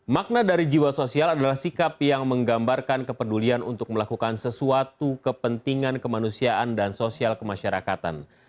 makna dari jiwa sosial adalah sikap yang menggambarkan kepedulian untuk melakukan sesuatu kepentingan kemanusiaan dan sosial kemasyarakatan